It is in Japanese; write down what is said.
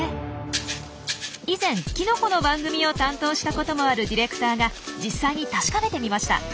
以前きのこの番組を担当したこともあるディレクターが実際に確かめてみました。